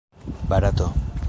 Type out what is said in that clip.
barato